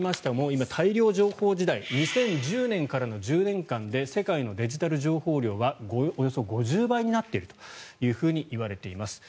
今、大量情報時代２０１０年からの１０年間で世界のデジタル情報量はおよそ５０倍になっているといわれています。